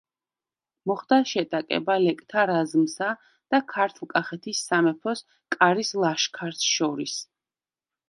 მოხდა შეტაკება ლეკთა რაზმსა და ქართლ-კახეთის სამეფო კარის ლაშქარს შორის.